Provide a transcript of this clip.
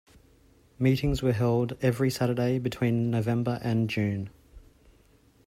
Meetings were held every Saturday between November and June.